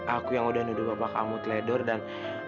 aku yang udah nuduh bapak kamu teledor dan